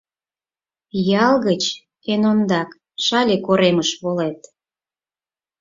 Ял гыч эн ондак Шале коремыш волет.